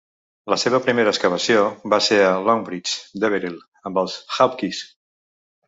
La seva primera excavació va ser a Longbridge Deverill amb els Hawkes.